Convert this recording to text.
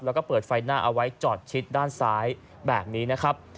แล้วก็เปิดไฟหน้าเอาไว้จอดชิดด้านซ้ายแบบนี้นะครับ